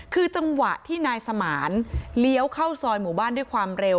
คือจังหวะที่นายสมานเลี้ยวเข้าซอยหมู่บ้านด้วยความเร็ว